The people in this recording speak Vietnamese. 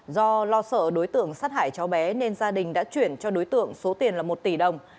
do lo sợ đối tượng sát hại cháu bé nên gia đình đã chuyển cho đối tượng số tiền là một tỷ đồng